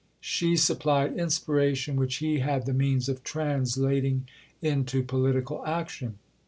She supplied inspiration which he had the means of translating into political action.